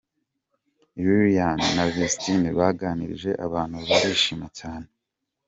Liliane na Vestine baganirije abantu barishima cyane.